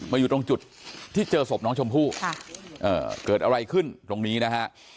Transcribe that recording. อยู่ตรงจุดที่เจอศพน้องชมพู่เกิดอะไรขึ้นตรงนี้นะฮะ